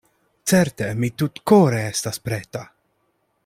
Certe mi tutkore estas preta.